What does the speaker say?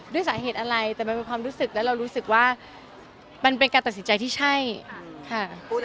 ด้วยสาเหตุอะไรแต่มันเป็นความรู้สึกแล้วเรารู้สึกว่ามันเป็นการตัดสินใจที่ใช่ค่ะ